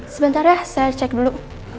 sebentar ya saya cek dulu